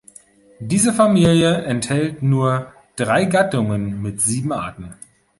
Diese Familie enthält nur drei Gattungen mit sieben Arten.